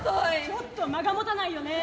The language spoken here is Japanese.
ちょっと間がもたないよね。